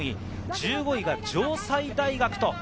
１５位は城西大学。